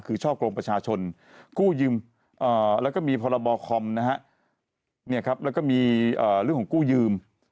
คือช่วงโรงประชาชนกู้ยืมบรคอมกู้ยืม